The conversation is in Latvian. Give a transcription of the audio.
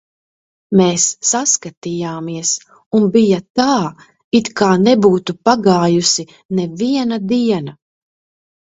Mēs saskatījāmies, un bija tā, it kā nebūtu pagājusi neviena diena.